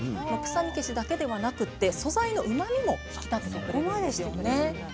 臭み消しだけではなくって素材のうまみも引き立ててくれるんですよね。